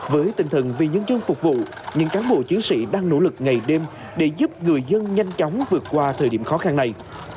với tinh thần vì nhân dân phục vụ những cán bộ chiến sĩ đang nỗ lực ngày đêm để giúp người dân nhanh chóng vượt qua thời điểm khó khăn này